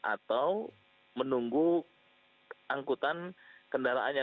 atau menunggu angkutan kendaraannya